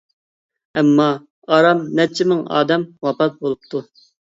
ئەمما ئاران نەچچە مىڭ ئادەم ۋاپات بولۇپتۇ.